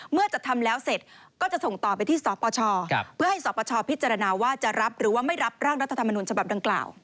จัดทำแล้วเสร็จก็จะส่งต่อไปที่สปชเพื่อให้สปชพิจารณาว่าจะรับหรือว่าไม่รับร่างรัฐธรรมนุนฉบับดังกล่าว